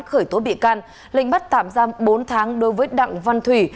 khởi tố bị can lệnh bắt tạm giam bốn tháng đối với đặng văn thủy